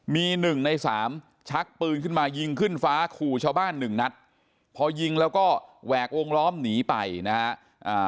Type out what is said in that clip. มีหนึ่งในสามชักปืนขึ้นมายิงขึ้นฟ้าขู่ชาวบ้านหนึ่งนัดพอยิงแล้วก็แหวกวงล้อมหนีไปนะฮะอ่า